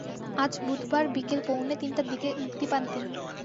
আজ বুধবার বিকেল পৌনে তিনটার দিকে মুক্তি পান তিনি।